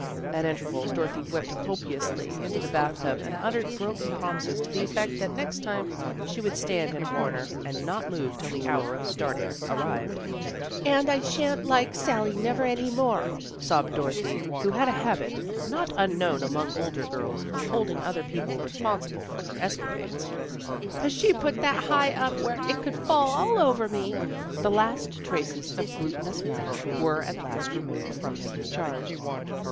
At intervals Dorothy wept copiously into the bath tub, and uttered broken promises to the effect that next time she would stand in a corner and not move till the hour of starting arrived, " And I sha'n't like Sally never any more," sobbed Dorothy, who had a habit, not unknown among older girls, of holding other people responsible for her escapades, 42 THE GIRLS OF FRIENDLY TERRACE " 'cause she put that up high where it could fall all over me." The last traces of glutinous matter were at last removed from Peggy's charge.